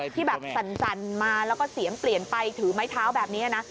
ที่แบบสั่นมาแล้วก็เสียงเปลี่ยนไปถือไม้เท้าแบบนี้นะ